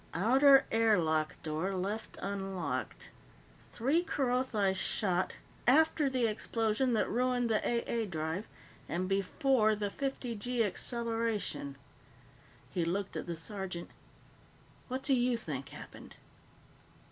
"Outer air lock door left unlocked. Three Kerothi shot after the explosion that ruined the A A drive, and before the fifty gee acceleration." He looked at the sergeant. "What do you think happened?"